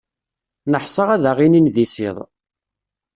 Neḥṣa ad aɣ-inin d isiḍ.